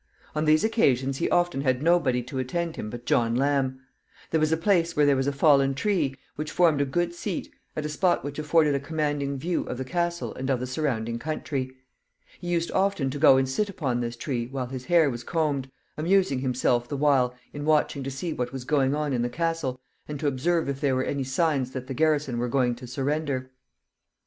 On these occasions he often had nobody to attend him but John Lamb. There was a place where there was a fallen tree, which formed a good seat, at a spot which afforded a commanding view of the castle and of the surrounding country. He used often to go and sit upon this tree while his hair was combed, amusing himself the while in watching to see what was going on in the castle, and to observe if there were any signs that the garrison were going to surrender.